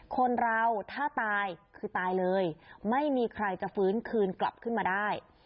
คนเราถ้าตายคือตายเลยไม่มีใครจะฟื้นคืนกลับขึ้นมาได้